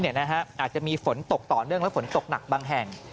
อาจจะมีฝนตกต่อเนื่องและฝนตกหนักบางแห่ง